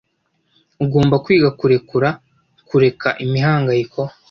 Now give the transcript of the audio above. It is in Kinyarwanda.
ugomba kwiga kurekura. kureka imihangayiko